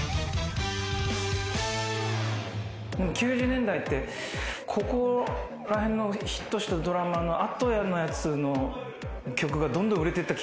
９０年代ってここら辺のヒットしたドラマの後のやつの曲がどんどん売れてった気がするんですよ。